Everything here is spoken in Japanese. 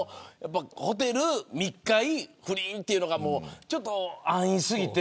ホテル、密会、不倫というのがちょっと安易過ぎて。